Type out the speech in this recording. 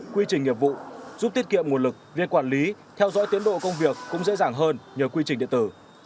quy trình nghiệp vụ giúp tiết kiệm nguồn lực việc quản lý theo dõi tiến độ công việc cũng dễ dàng hơn nhờ quy trình điện tử